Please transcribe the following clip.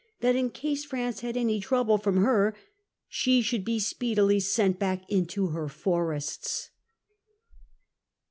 * 147 that in case France had any trouble from her she should be speedily ' sent back into her forests.